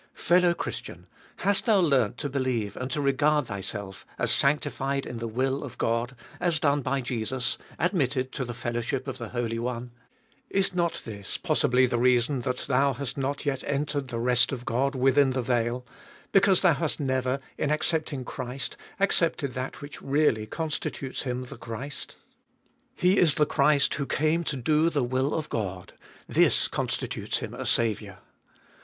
Fellow Christian ! hast thou learnt to believe and to regard thyself as sanctified in the will of God as done by Jesus, admitted to the fellowship of the Holy One? Is not this possibly the 22 338 Iboliest of 2UI reason that thou hast not yet entered the rest of God within the veil, because thou hast never, in accepting Christ, accepted that which really constitutes Him the Christ ? He is the Christ who came to do the will of God — this constitutes Him a Saviour.